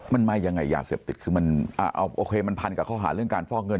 มันมายังไงยาเสพติดคือมันโอเคมันพันกับข้อหาเรื่องการฟอกเงิน